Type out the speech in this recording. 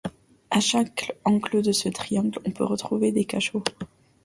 À chaque angle de ce triangle, on peut retrouver des cachots.